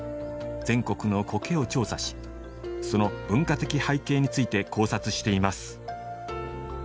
全国の苔を調査しその文化的背景について考察しています。